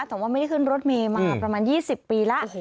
แต่ว่าไม่ได้ขึ้นรถเมย์มาประมาณ๒๐ปีแล้ว